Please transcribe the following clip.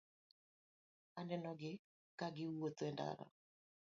Anenogi kagi wuotho e ndara.